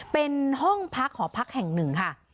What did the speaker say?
เป็นห้องพักหอพักแห่งหนึ่งค่ะ